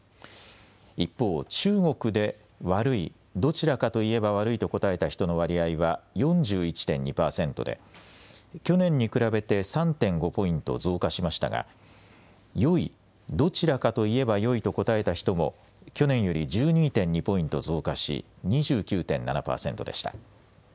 一方、中国で悪い、どちらかといえば悪いと答えた人の割合は４１．２％で去年に比べて３．５ポイント増加しましたがよい、どちらかといえばよいと答えた人も去年より１２．２ポイント増加し２９．７％でした。